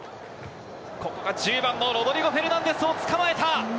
ここが１０番のロドリゴ・フェルナンデスを捕まえた。